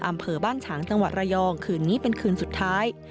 อำเภอบ้านฉางจังหวัดระยองคืนนี้เป็นคืนสุดท้าย